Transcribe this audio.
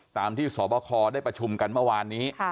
ตามที่สบคได้ประชุมกันเมื่อวานนี้